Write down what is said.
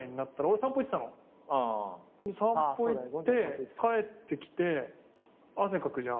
散歩行って帰ってきて汗かくじゃん？